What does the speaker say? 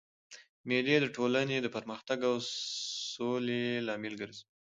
مېلې د ټولني د پرمختګ او سولي لامل ګرځي.